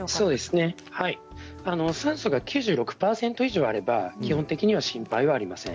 酸素が９６％以上あれば基本的には心配はありません。